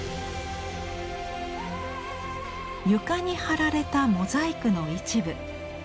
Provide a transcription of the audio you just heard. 床に貼られたモザイクの一部。